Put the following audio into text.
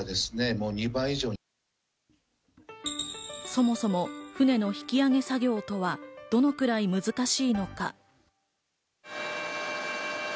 そもそも、船の引き揚げ作業とはどのくらい難しいのか。